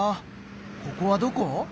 ここはどこ？